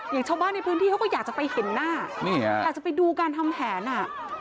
อย่างชาวบ้านในพื้นที่เขาก็อยากจะไปเห็นหน้านี่ฮะอยากจะไปดูการทำแผนอ่ะ